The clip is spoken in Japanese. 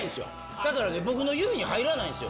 だからね、僕の指に入らないんですよ。